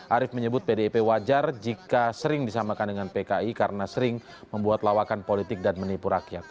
arief menyebut pdip wajar jika sering disamakan dengan pki karena sering membuat lawakan politik dan menipu rakyat